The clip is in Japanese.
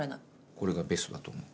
これがベストだと思う。